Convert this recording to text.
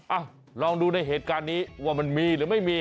อ่ะลองดูในเหตุการณ์นี้ว่ามันมีหรือไม่มี